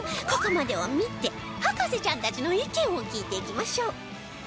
ここまでを見て博士ちゃんたちの意見を聞いていきましょう